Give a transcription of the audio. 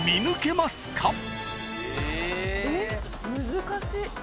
難しい。